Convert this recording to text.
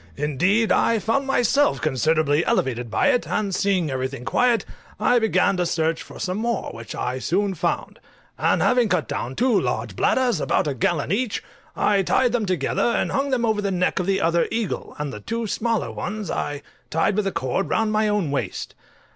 Indeed, I found myself considerably elevated by it, and seeing everything quiet, I began to search for some more, which I soon found; and having cut down two large bladders, about a gallon each, I tied them together, and hung them over the neck of the other eagle, and the two smaller ones I tied with a cord round my own waist.